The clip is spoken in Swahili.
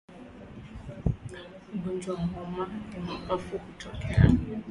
Ugonjwa wa homa ya mapafu hutokea